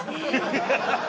ハハハハ！